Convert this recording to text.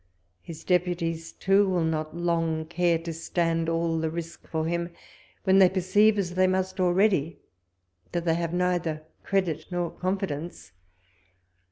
His deputies, too, will not long care to stand all the risk for him, when they perceive, as they must already, that they have neither credit nor confidence.